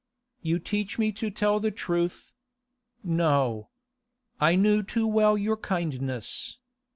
'You teach me to tell the truth. No. I knew too well your kindness.